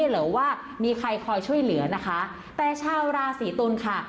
หรือว่ามีใครคอยช่วยเหลือนะคะแต่ชาวราศีตุลค่ะ